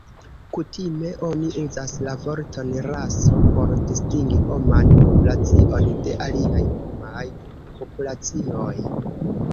Kutime oni uzas la vorton 'raso' por distingi homan populacion de aliaj homaj populacioj.